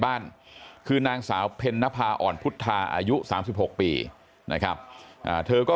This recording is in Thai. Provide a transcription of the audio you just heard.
บ้านคือนางสาวเพ็ญนภาอ่อนพุทธาอายุ๓๖ปีนะครับเธอก็